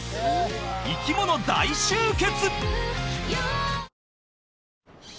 生き物大集結！